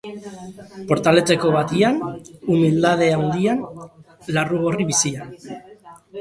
Portaletxo batian, umildade haundian, larrugorri bizian...